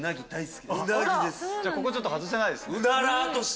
じゃここちょっと外せないですね。